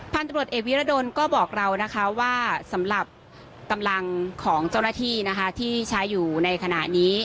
พันธุรกิจเอเวียร์โดนก็บอกเราว่าสำหรับตำรังของเจ้าหน้าที่ที่ใช้อยู่ในขณะนี้